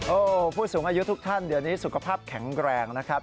โอ้โหผู้สูงอายุทุกท่านเดี๋ยวนี้สุขภาพแข็งแรงนะครับ